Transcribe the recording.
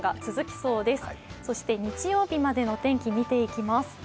そして日曜日までのお天気、見ていきます。